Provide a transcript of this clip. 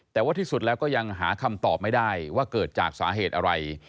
แต่ว่าที่สุดแล้วก็ยังหาคำตอบไม่ได้ว่าเกิดจากสาเหตุอะไร